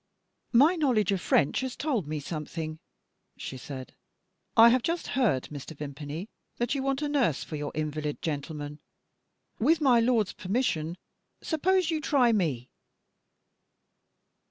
"My knowledge of French has told me something," she said. "I have just heard, Mr. Vimpany, that you want a nurse for your invalid gentleman. With my lord's permission, suppose you try Me?"